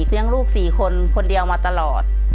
เลี้ยงลูก๔คนคนเดียวมาตลอด